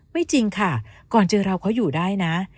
จริงค่ะก่อนเจอเราเขาอยู่ได้นะ